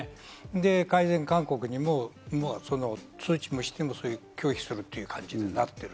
改善勧告にも通知をしても拒否するという感じになってる。